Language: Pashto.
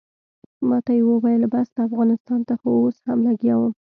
ماته یې وویل بس ده افغانستان ته خو اوس هم لګیا وم.